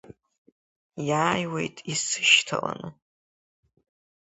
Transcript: Иааиуеит исышьҭаланы…